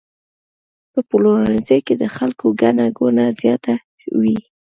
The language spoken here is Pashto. په پلورنځي کې د خلکو ګڼه ګوڼه زیاته وي.